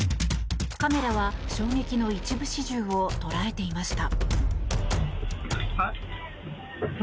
カメラは衝撃の一部始終を捉えていました。